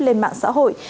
lên mạng xã hội